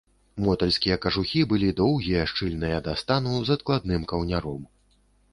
Мотальскія кажухі былі доўгія, шчыльныя да стану з адкладным каўняром.